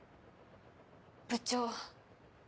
部長。